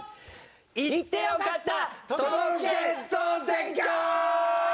行ってよかった都道府県総選挙！